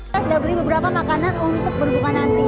saya sudah beli beberapa makanan untuk berbuka nanti